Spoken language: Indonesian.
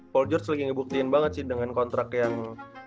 paul george lagi ngebuktiin banget sih dengan kontrak yang